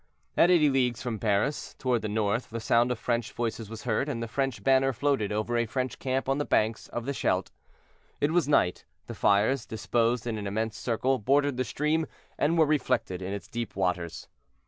At eighty leagues from Paris, toward the north, the sound of French voices was heard, and the French banner floated over a French camp on the banks of the Scheldt. It was night; the fires, disposed in an immense circle, bordered the stream, and were reflected in its deep waters.